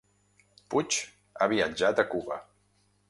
Puig ha viatjat a Cuba